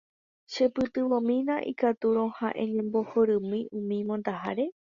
Chepytyvõmína ikatúrõ ha eñembohorymi umi mondaháre.